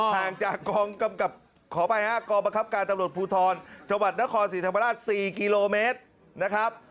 ห่างจากกองกำกับขออภัยฮะกองบังคับการตำรวจภูทรจังหวัดนครศรีธรรมราช๔กิโลเมตรนะครับ